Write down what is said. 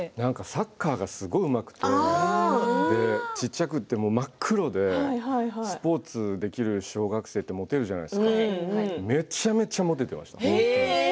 サッカーがすごく、うまくて小っちゃくて真っ黒でサッカーができる小学生ってモテるじゃないですかめちゃめちゃモテていました。